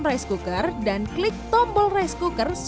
lada ia tidak bisa kayak lumpuh